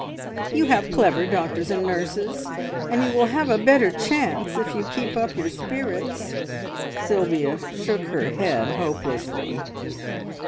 You have clever doctors and nurses, and you will have a better chance if you keep up your spirits." Sylvia shook her head hopelessly.